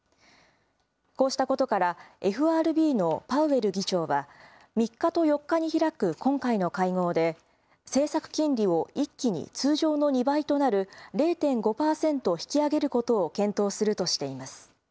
こうしたことからＦＲＢのパウエル議長は３日と４日に開く今回の会合で政策金利を一気に通常の２倍となる０．５％引き上げることを検討するとしています。